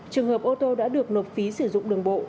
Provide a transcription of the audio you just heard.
trường hợp ô tô đã được nộp phí sử dụng đường bộ